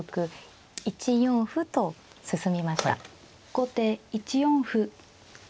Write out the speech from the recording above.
後手１四歩。